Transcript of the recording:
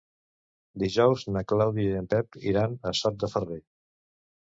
Dijous na Clàudia i en Pep iran a Sot de Ferrer.